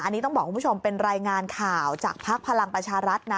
อันนี้ต้องบอกคุณผู้ชมเป็นรายงานข่าวจากภักดิ์พลังประชารัฐนะ